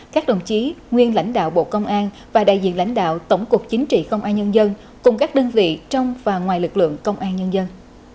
các đồng chí nguyên lãnh đạo bộ công an và đại diện lãnh đạo tổng cục chính trị công an nhân dân cùng các đơn vị trong và ngoài lực lượng công an nhân dân